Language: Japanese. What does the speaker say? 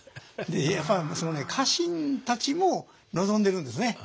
やっぱり家臣たちも望んでるんですね。